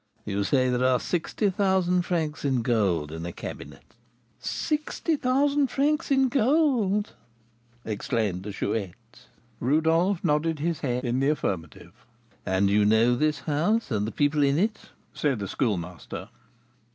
You say there are sixty thousand francs in gold in a cabinet?" "Sixty thousand francs in gold!" exclaimed the Chouette. Rodolph nodded his head in the affirmative. "And you know this house, and the people in it?" said the Schoolmaster.